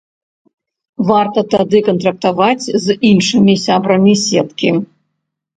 Варта тады кантактаваць з іншымі сябрамі сеткі.